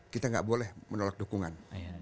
kita gak boleh menolak dukungan